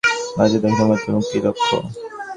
ভারতীয় দার্শনিকদের মতে মুক্তিই লক্ষ্য।